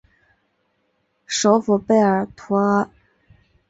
首府贝尔图阿。